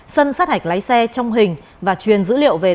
sân sát hạch lái xe trong hình và truyền dữ liệu về tắc hải